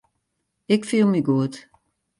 Ik fiel my goed.